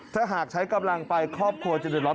ถ้าหากใช้กำลังไปครอบครัวจะเดือร้อ